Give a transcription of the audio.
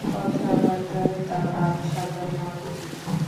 কথাবার্তায় তার আরো সাবধান হওয়া উচিত।